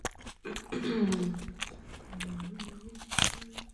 Během výslechu se pokusil neúspěšně o sebevraždu.